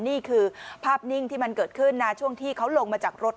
นี่คือภาพนิ่งที่มันเกิดขึ้นนะช่วงที่เขาลงมาจากรถ